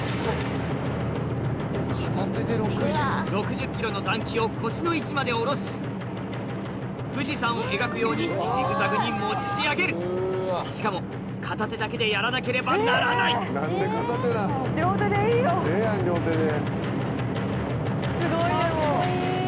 ６０ｋｇの団旗を腰の位置まで下ろし富士山を描くようにジグザグに持ち上げるしかも片手だけでやらなければならないようなことなんで。